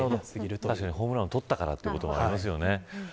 ホームラン王取ったからというのもありますよね。